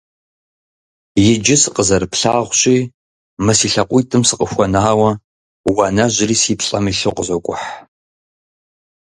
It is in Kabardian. Иджы сыкъызэрыплъагъущи мы си лъакъуитӀым сыкъыхуэнауэ, уанэжьри си плӀэм илъу къызокӀухь.